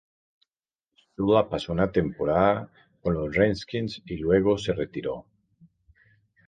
Shula pasó una temporada con los Redskins y luego se retiró.